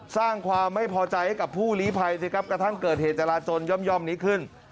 สร้างความไม่พอใจให้กับผู้ลีภัยสิครับกระทั่งเกิดเหตุจราจนย่อมนี้ขึ้น